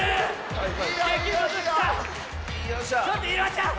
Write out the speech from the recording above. ちょっといろはちゃん！